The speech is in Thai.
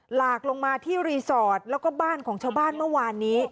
หลากลงมาที่รีสอร์ทแล้วก็บ้านของชาวบ้านเมื่อวานนี้